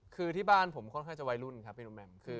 คือที่บ้านผมค่อนข้างจะวัยรุ่นครับพี่โรแมม